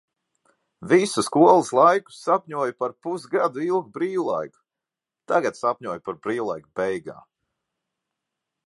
Visu skolas laiku sapņoju par pusgadu ilgu brīvlaiku. Tagad sapņoju par brīvlaika beigām.